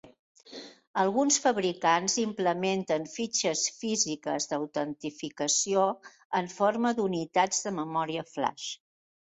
Alguns fabricants implementen fitxes físiques d'autenticació en forma d'unitats de memòria flash.